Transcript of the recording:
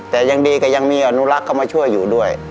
แต่ยังดีก็ยังมีอนุรักษ์เข้ามาช่วยอยู่ด้วย